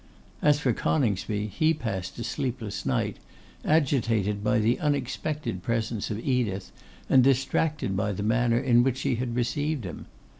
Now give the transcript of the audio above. As for Coningsby, he passed a sleepless night, agitated by the unexpected presence of Edith and distracted by the manner in which she had received him.